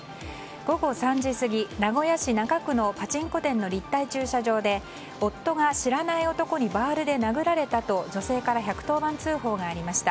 午後３時過ぎ名古屋市中区のパチンコ店の立体駐車場で、夫が知らない男にバールで殴られたと女性から１１０番通報がありました。